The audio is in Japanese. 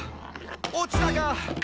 落ちたか！」